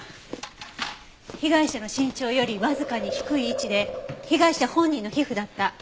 被害者の身長よりわずかに低い位置で被害者本人の皮膚だった。